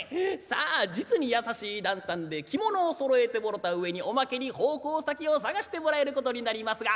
さあ実に優しい旦さんで着物をそろえてもろた上におまけに奉公先を探してもらえることになりますが。